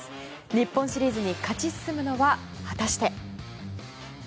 日本シリーズに勝ち進むのは果たして。